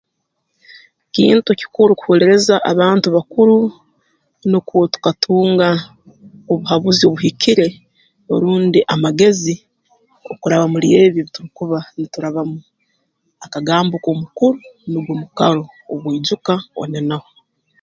Kintu kikuru kuhuliriza abantu bakuru nukwo tukatunga obuhabuzi obuhikire orundi amagezi okuraba muli ebi turukuba nturabamu akagambo k'omukuru nugwo mukaro bu oijuka onenaho